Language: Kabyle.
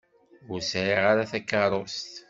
Ur sɛiɣ ara takeṛṛust.